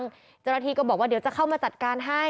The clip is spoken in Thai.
เจ้าหน้าที่ก็บอกว่าเดี๋ยวจะเข้ามาจัดการให้